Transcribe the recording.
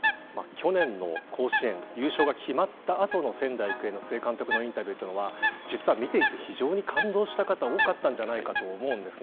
去年の甲子園優勝が決まった後の仙台育英の須江監督のインタビューというのは見ていて非常に感動した方が多かったんじゃないかと思うんです。